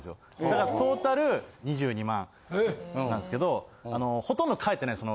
だからトータル２２万なんですけどほとんど帰ってないです。